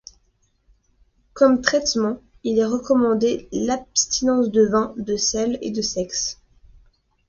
Comme traitement, il est recommandé l'abstinence de vin, de sel et de sexe.